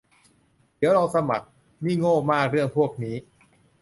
เดี๋ยวลองสมัคร นี่โง่มากเรื่องพวกนี้